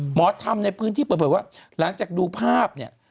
หมอธรรมในพื้นที่เปิดเผยว่าหลังจากดูภาพเนี่ย